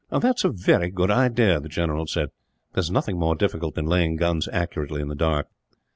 "That is a very good idea," the general said. "There is nothing more difficult than laying guns accurately in the dark."